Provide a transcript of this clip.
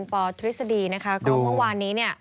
ปธฤษฎีนะคะเพราะว่าวันนี้